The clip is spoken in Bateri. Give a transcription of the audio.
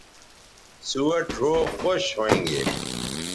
سوہ ڙھؤ خوش ھویں گے